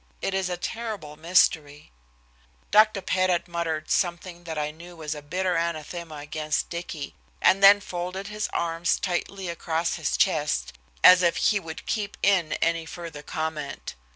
It is a terrible mystery." Dr. Pettit muttered something that I knew was a bitter anathema against Dicky, and then folded his arms tightly across his chest, as if he would keep in any further comment.